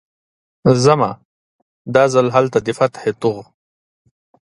ځمه، دا ځل هلته د فتحې توغ